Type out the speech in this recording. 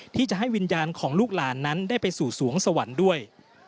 ที่จะให้วิญญาณของลูกหลานนั้นได้ไปสู่สวงสวรรค์ด้วย